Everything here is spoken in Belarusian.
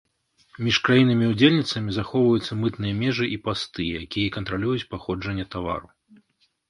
Між краінамі-удзельніцамі захоўваюцца мытныя межы і пасты, якія кантралююць паходжанне тавару.